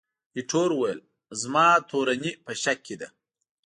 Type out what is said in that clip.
ایټور وویل، زما تورني په شک کې نه ده.